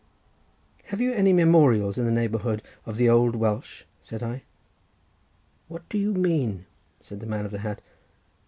"Have you any memorials in the neighbourhood of the old Welsh?" said I. "What do you mean?" said the man of the hat.